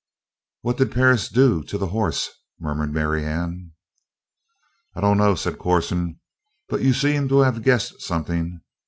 "What did Perris do to the horse?" murmured Marianne. "I don't know," said Corson. "But you seem to have guessed something.